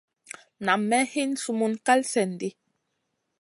Nam may hin summun kal slèn di.